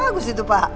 bagus sih itu pak